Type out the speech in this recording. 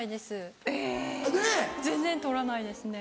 全然撮らないですね。